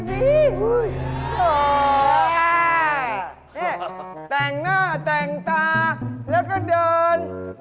นี่แต่งหน้าแต่งตาแล้วก็เดิน